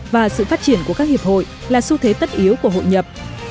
và sự phát triển của các hiệp hội là xu thế tất yếu của hội nhập